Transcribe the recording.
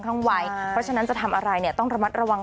แต่ว่าก็ไม่ได้กระทบอะไรมาก